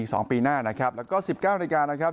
อีก๒ปีหน้านะครับแล้วก็๑๙นาทีการนะครับ